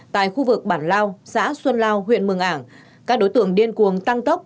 tại khu vực bản lao xã xuân lao huyện mường ảng các đối tượng điên cuồng tăng tốc